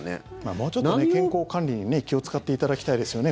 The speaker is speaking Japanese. もうちょっと健康管理に気を使っていただきたいですよね